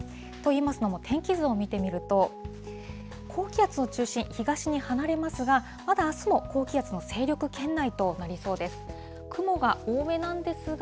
といいますのも、天気図を見てみると、高気圧の中心、東に離れますが、まだあすも高気圧の勢力圏内となりそうです。